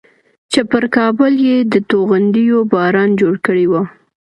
چې پر کابل یې د توغندیو باران جوړ کړی و.